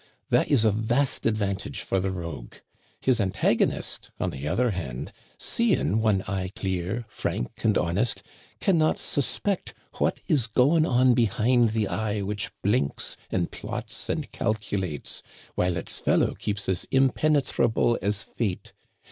That is a vast advantage for the rogue. His antagonist, on the other hand, seeing one eye clear, frank, and honest, can not suspect what is going on be hind the eye which blinks, and plots, and calculates, while its fellow keeps as impenetrable as fate.